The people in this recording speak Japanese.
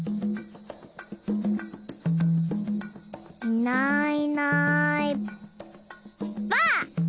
いないいないばあっ！